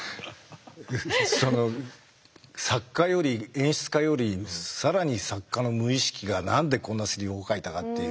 その作家より演出家より更に作家の無意識が何でこんなセリフを書いたかっていう。